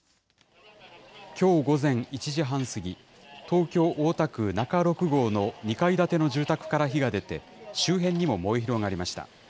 きょう午前１時半過ぎ、東京・大田区仲六郷の２階建ての住宅から火が出て、周辺にも燃え広がりました。